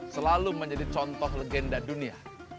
selalu menjadi contoh legenda dunia